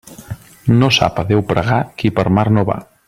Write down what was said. No sap a Déu pregar qui per mar no va.